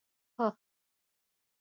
په